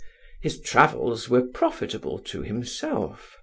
His travels were profitable to himself.